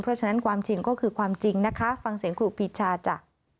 เพราะฉะนั้นความจริงก็คือความจริงนะคะฟังเสียงครูปีชาจ้ะ